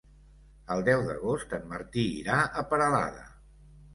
El deu d'agost en Martí irà a Peralada.